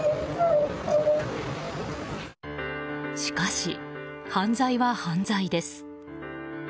しかし、犯罪は犯罪です。